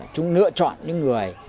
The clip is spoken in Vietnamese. chúng lựa chọn những người